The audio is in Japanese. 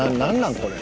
これ。